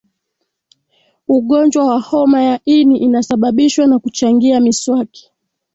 ugonjwa wa homa ya ini inasababishwa na kuchangia miswaki